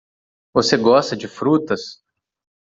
Você gosta de frutas?